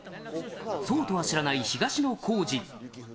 そうとは知らない東野幸治。